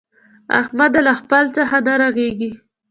احمده! له خپله څخه نه رغېږي.